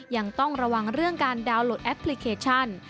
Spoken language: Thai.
ยังต้องระวังเรื่องการดาวน์โหลดแอปพลิเคชัน